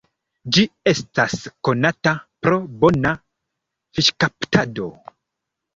Ĝi estas konata pro bona fiŝkaptado.